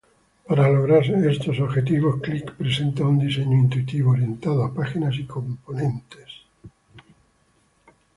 Para lograr estos objetivos, Click presenta un diseño intuitivo, orientado a páginas y componentes.